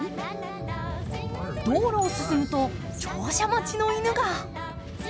道路を進むと、乗車待ちの犬が。